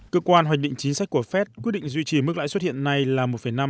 cơ quan hoạch định chính sách của fed quyết định duy trì mức lãi suất hiện nay là một năm một bảy mươi năm